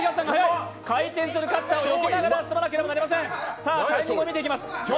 回転するカッターを避けながら進まなければなりません。